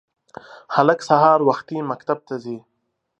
هلک سهار وختي مکتب ته ځي